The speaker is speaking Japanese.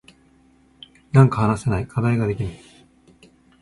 なんか話せない。課題ができない。